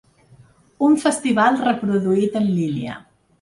Un festival reproduït en línia.